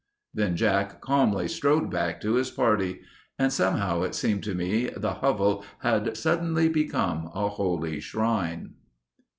Then Jack calmly strode back to his party, and somehow it seemed to me the hovel had suddenly become a holy shrine.